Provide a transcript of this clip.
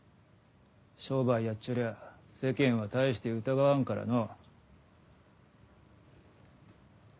商売やっちょりゃ世間は大して疑わんからの。